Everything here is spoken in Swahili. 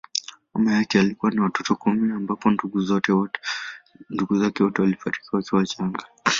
Mama yake alikuwa na watoto kumi ambapo ndugu zake wote walifariki wakiwa wachanga.